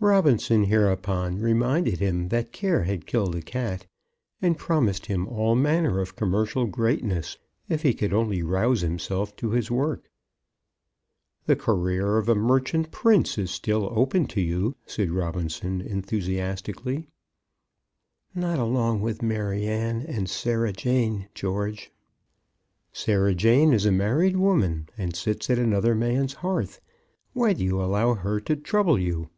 Robinson hereupon reminded him that care had killed a cat; and promised him all manner of commercial greatness if he could only rouse himself to his work. "The career of a merchant prince is still open to you," said Robinson, enthusiastically. "Not along with Maryanne and Sarah Jane, George!" "Sarah Jane is a married woman, and sits at another man's hearth. Why do you allow her to trouble you?"